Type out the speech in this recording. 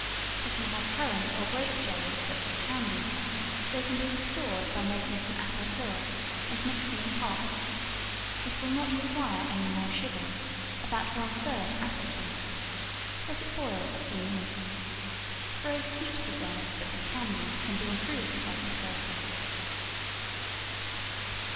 If you have currant or grape jelly that has candied, they can be restored by making some apple syrup, and mixing it hot; it will not require any more sugar about one third apple juice; let it boil a few minutes. Very sweet preserves that have candied can be improved by this process.